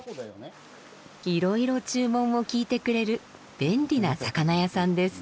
いろいろ注文を聞いてくれる便利な魚屋さんです。